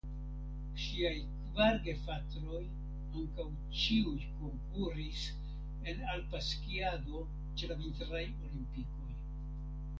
Ŝiaj kvar gefratoj ankaŭ ĉiuj konkuris en alpa skiado ĉe la vintraj olimpikoj.